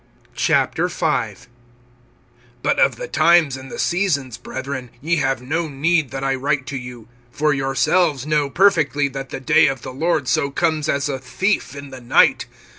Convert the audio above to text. V. BUT of the times and the seasons, brethren, ye have no need that I write to you. (2)For yourselves know perfectly that the day of the Lord so comes as a thief in the night.